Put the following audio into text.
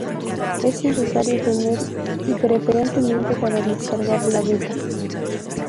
Es necesario tener y, preferentemente, para descargar la beta.